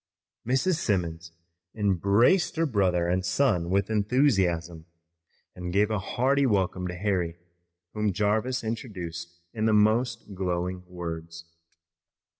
Mrs. Simmons embraced her brother and son with enthusiasm, and gave a hearty welcome to Harry, whom Jarvis introduced in the most glowing words.